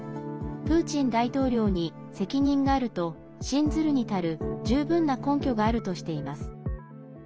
プーチン大統領に責任があると信ずるに足る十分な根拠があるとしています。